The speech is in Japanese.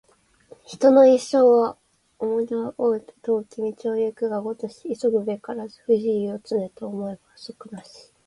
人の一生は重荷を負うて、遠き道を行くがごとし急ぐべからず不自由を、常と思えば不足なし